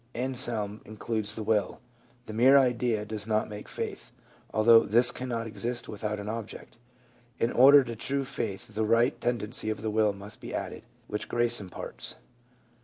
A.nselm includes the will : "The mere idea does not make faith, although this cannot exist without an object ; in order to true faith the right tendency of the will must be added, which grace imparts."